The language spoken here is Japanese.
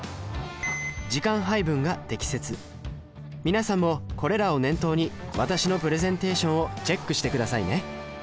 皆さんもこれらを念頭に私のプレゼンテーションをチェックしてくださいね